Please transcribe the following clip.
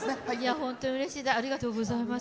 本当うれしいです。